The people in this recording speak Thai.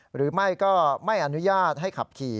หรือไม่ก็ไม่อนุญาตให้ขับขี่